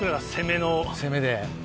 攻めで。